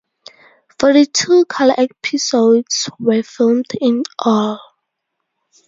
Forty-two color episodes were filmed in all.